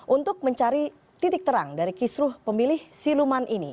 untuk mencari titik terang dari kisruh pemilih siluman ini